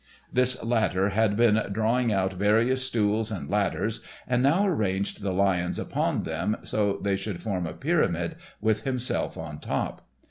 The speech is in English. This latter had been drawing out various stools and ladders, and now arranged the lions upon them so they should form a pyramid, with himself on top.